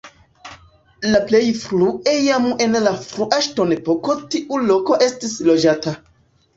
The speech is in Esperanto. La plej frue jam en la frua ŝtonepoko tiu loko estis loĝata.